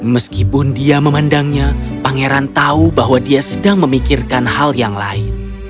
meskipun dia memandangnya pangeran tahu bahwa dia sedang memikirkan hal yang lain